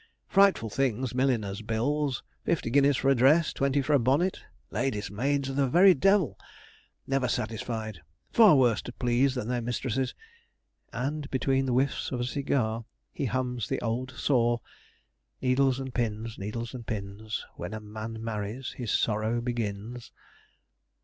Frightful things milliners' bills fifty guineas for a dress, twenty for a bonnet ladies' maids are the very devil never satisfied far worse to please than their mistresses.' And between the whiffs of a cigar he hums the old saw 'Needles and pins, needles and pins, When a man marries his sorrow begins.'